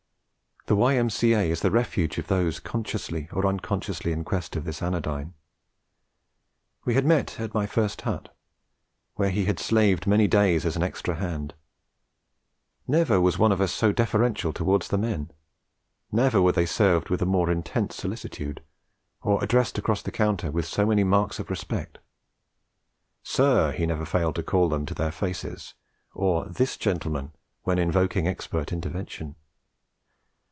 The Y.M.C.A. is the refuge of those consciously or unconsciously in quest of this anodyne. We had met at my first hut, where he had slaved many days as an extra hand. Never was one of us so deferential towards the men; never were they served with a more intense solicitude, or addressed across the counter with so many marks of respect. 'Sir,' he never failed to call them to their faces, or 'this gentleman' when invoking expert intervention.